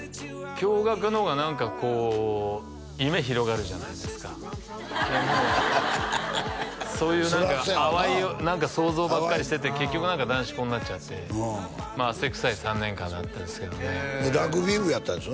共学の方が何かこう夢広がるじゃないですかそういう何か淡い想像ばっかりしてて結局男子校になっちゃって汗臭い３年間だったんですけどねでラグビー部やったんです？